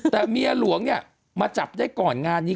แต่เมียหลวงเนี่ยมาจับได้ก่อนงานนี้